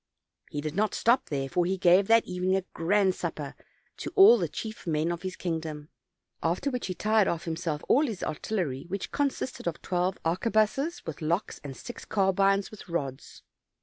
He did not stop there, for he gave that evening a grand supper to all the chief men of his kingdom; after which he tired off himself all his artillery, which consisted of twelve arquebuses with locks and six carbines with rods.